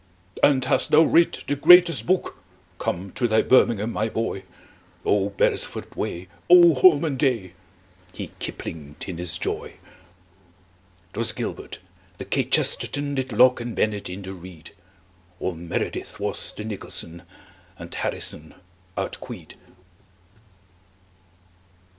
"And hast thou writ the greatest book? Come to thy birmingham, my boy! Oh, beresford way! Oh, holman day!" He kiplinged in his joy. 'Twas gilbert. The kchesterton Did locke and bennett in the reed. All meredith was the nicholson, And harrison outqueed.